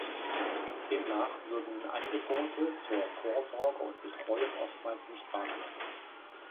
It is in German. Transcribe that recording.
Demnach würden Angebote zur Vorsorge und Betreuung oftmals nicht wahrgenommen.